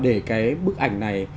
để cái bức ảnh này